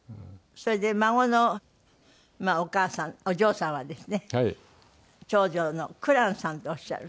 それで孫のお母さんお嬢さんはですね長女の紅蘭さんとおっしゃる。